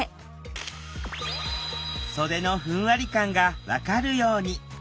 袖のふんわり感が分かるように。